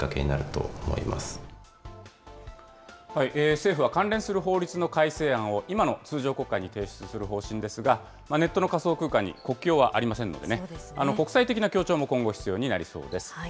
政府は関連する法律の改正案を、今の通常国会に提出する方針ですが、ネットの仮想空間に国境はありませんのでね、国際的な協調も今後必要になりそうです。